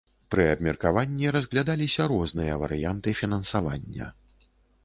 Пры абмеркаванні разглядаліся розныя варыянты фінансавання.